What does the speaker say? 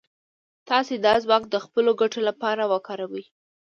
تاسې دا ځواک د خپلو ګټو لپاره وکاروئ.